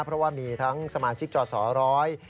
เพราะว่ามีทั้งสมาชิกจอสอร้อย